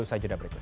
usaha jeda berikut